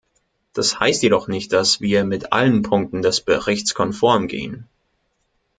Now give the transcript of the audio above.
Das heißt jedoch nicht, dass wir mit allen Punkten des Berichts konform gehen.